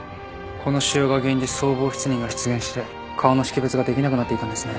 この腫瘍が原因で相貌失認が出現して顔の識別ができなくなっていたんですね。